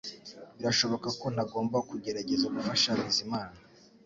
Birashoboka ko ntagomba kugerageza gufasha Bizimana